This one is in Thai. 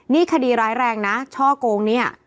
นี่คดีร้ายแรงนะช่อโกงเนี่ย